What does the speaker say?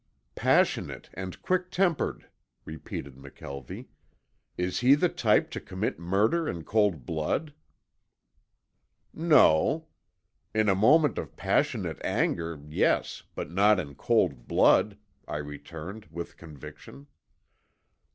"Passionate and quick tempered," repeated McKelvie. "Is he the type to commit murder in cold blood?" "No. In a moment of passionate anger, yes, but not in cold blood," I returned with conviction.